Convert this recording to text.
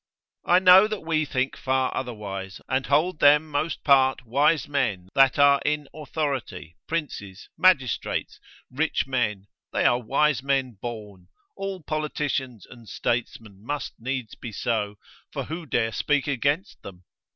I know that we think far otherwise, and hold them most part wise men that are in authority, princes, magistrates, rich men, they are wise men born, all politicians and statesmen must needs be so, for who dare speak against them?